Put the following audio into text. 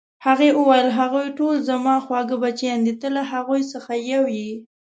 هغې وویل: هغوی ټول زما خواږه بچیان دي، ته له هغو څخه یو یې.